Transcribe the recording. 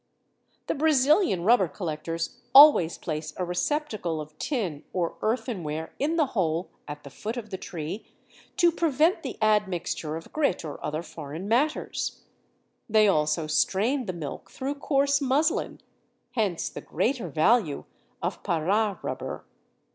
"The Brazilian rubber collectors always place a receptacle of tin or earthenware in the hole at the foot of the tree to prevent the admixture of grit or other foreign matters; they also strain the milk through coarse muslin; hence the greater value of Pará rubber.